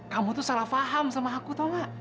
kamu tuh salah faham sama aku tau gak